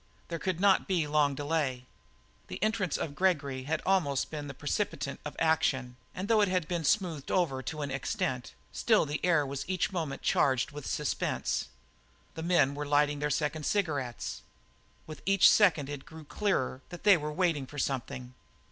There could not be long delay. The entrance of Gregory had almost been the precipitant of action, and though it had been smoothed over to an extent, still the air was each moment more charged with suspense. The men were lighting their second cigarette. With each second it grew clearer that they were waiting for something.